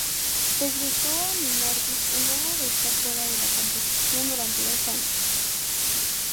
Regresó a Minardi en luego de estar fuera de la competición durante dos años.